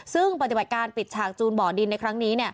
ซึ่งปฏิบัติการปิดฉากจูนบ่อดินในครั้งนี้